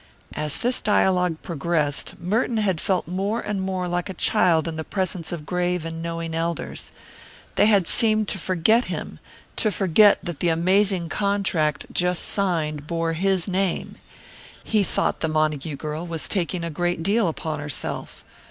As this dialogue progressed, Merton had felt more and more like a child in the presence of grave and knowing elders. They had seemed to forget him, to forget that the amazing contract just signed bore his name. He thought the Montague girl was taking a great deal upon herself.